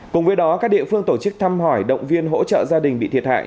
cùng với đó các địa phương tổ chức thăm hỏi động viên hỗ trợ gia đình bị thiệt hại